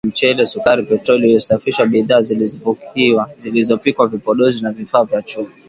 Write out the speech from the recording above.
Mafuta ya mawese, mchele, sukari, petroli iliyosafishwa, bidhaa zilizopikwa, vipodozi na vifaa vya chuma